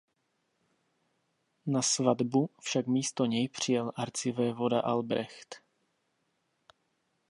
Na svatbu však místo něj přijel arcivévoda Albrecht.